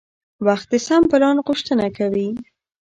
وخت د سم پلان غوښتنه کوي